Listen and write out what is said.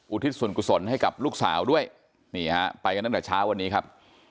ทิศส่วนกุศลให้กับลูกสาวด้วยนี่ฮะไปกันตั้งแต่เช้าวันนี้ครับ